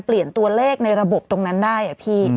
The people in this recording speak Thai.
เปลี่ยนตัวเลขในระบบตรงนั้นได้อะพี่